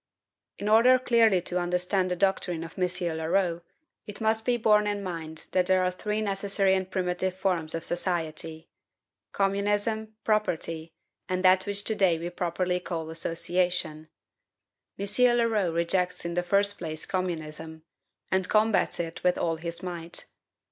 In order clearly to understand the doctrine of M. Leroux, it must be borne in mind that there are three necessary and primitive forms of society, communism, property, and that which to day we properly call association. M. Leroux rejects in the first place communism, and combats it with all his might.